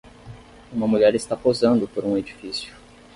Uma mulher está posando por um edifício.